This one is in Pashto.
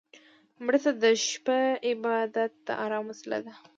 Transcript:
مړه ته د شپه عبادت د ارام وسيله ده